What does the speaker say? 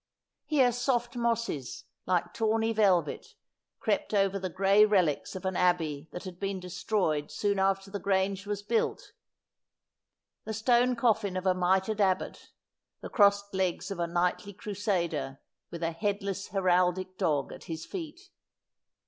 Here soft mosses, like tawny velvet, ciept over the gray relics of an abbey that had been destroyed soon after the grange was built — the stone coffin of a mitred abbot ; the crossed legs of a knightly crusader, with a headless heraldic dog at his feet.